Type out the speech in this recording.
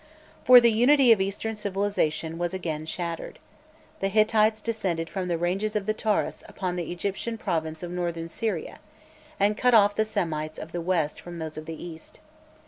For the unity of Eastern civilization was again shattered. The Hittites descended from the ranges of the Taurus upon the Egyptian province of Northern Syria, and cut off the Semites of the west from those of the east.